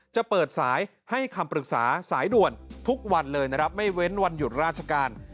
จะเปิดสายให้คำปรึกษาสายด่วนทุกวันเลยนะครับไม่เว้นวันหยุดราชการ